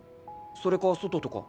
それか外とか。